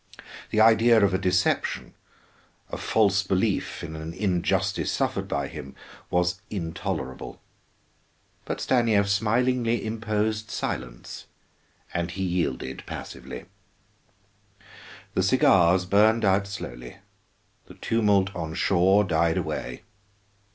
The idea of a deception, a false belief in an injustice suffered by him, was intolerable. But Stanief smilingly imposed silence, and he yielded passively. The cigars burned out slowly, the tumult on shore died away.